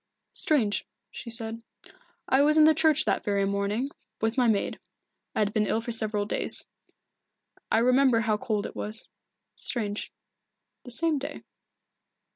"Strange," she said. "I was in the church that very morning, with my maid. I had been ill for several days I remember how cold it was. Strange the same day."